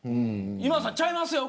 今田さん、ちゃいますよ。